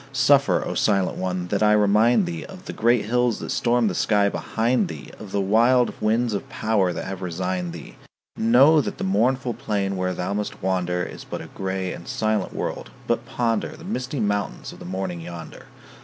Suffer, O silent one, that I remind thee Of the great hills that stormed the sky behind thee, Of the wild winds of power that have resigned thee. Know that the mournful plain where thou must wander Is but a gray and silent world, but ponder The misty mountains of the morning yonder.